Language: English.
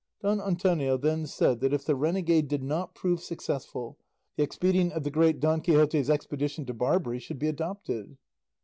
Don Antonio then said that if the renegade did not prove successful, the expedient of the great Don Quixote's expedition to Barbary should be adopted.